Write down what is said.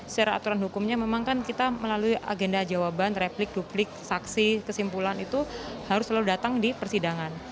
secara aturan hukumnya memang kan kita melalui agenda jawaban replik duplik saksi kesimpulan itu harus selalu datang di persidangan